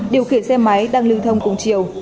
điều khiển xe máy đang lưu thông cùng chiều